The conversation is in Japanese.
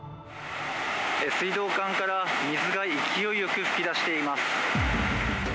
水道管から水が勢いよく噴き出しています。